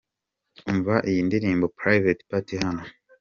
Umva iyi ndirimbo Private Party hano:.